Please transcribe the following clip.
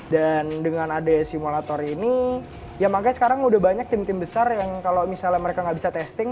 dan dengan ada simulator ini ya makanya sekarang udah banyak tim tim besar yang kalau misalnya mereka gak bisa testing